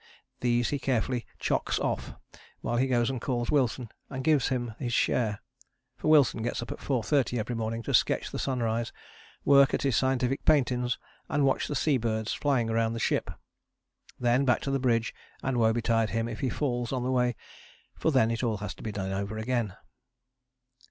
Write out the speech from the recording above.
These he carefully "chocks off" while he goes and calls Wilson and gives him his share for Wilson gets up at 4.30 every morning to sketch the sunrise, work at his scientific paintings and watch the sea birds flying round the ship. Then back to the bridge, and woe betide him if he falls on the way, for then it all has to be done over again.